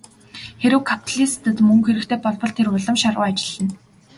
Хэрэв капиталистад мөнгө хэрэгтэй болбол тэр улам шаргуу ажиллана.